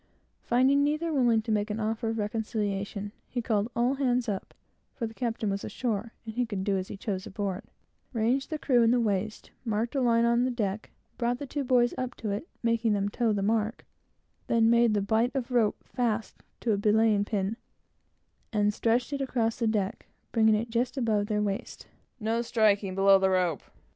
Finding neither willing to make an offer for reconciliation, he called all hands up, (for the captain was ashore, and he could do as he chose aboard,) ranged the crew in the waist, marked a line on the deck, brought the two boys up to it, making them "toe the mark;" then made the bight of a rope fast to a belaying pin, and stretched it across the deck, bringing it just above their waists. "No striking below the rope!"